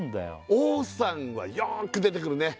王さんはよーく出てくるね